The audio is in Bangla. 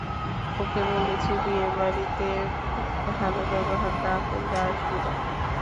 ওকে বলেছি, বিয়েবাড়িতে ভালো ব্যবহার না করলে আসবি না।